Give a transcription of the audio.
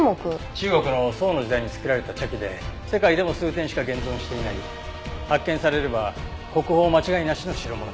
中国の宋の時代に作られた茶器で世界でも数点しか現存していない発見されれば国宝間違いなしの代物だよ。